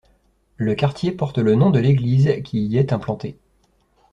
Le quartier porte le nom de l'église qui y est implantée.